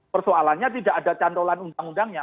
persoalannya tidak ada cantolan undang undangnya